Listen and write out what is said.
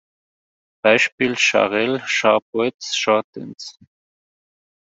Beispiel: Scharrel, Scharbeutz, Schortens.